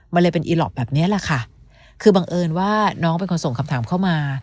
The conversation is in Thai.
มันเลยเป็นอีหลอปแบบนี้แหละค่ะคือบังเอิญว่าน้องเป็นคนส่งคำถามเข้ามา